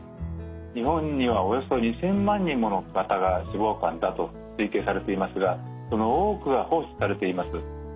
日本にはおよそ２，０００万人もの方が脂肪肝だと推計されていますがその多くは放置されています。